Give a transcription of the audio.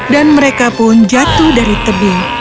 dan mereka pun jatuh dari tebing